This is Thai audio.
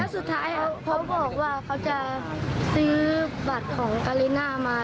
สุดท้ายเขาบอกว่าเขาจะซื้อบัตรของกาลิน่ามา